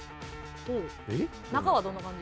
中はどんな感じ？